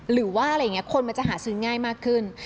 หรือว่าอะไรอย่างนี้คนมันจะหาซื้อง่ายมากขึ้น